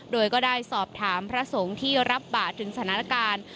โดยก็ได้สอบถามพระสงฆ์ที่รับบาทถึงสถานการณ์